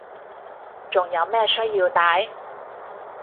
仲有咩需要戴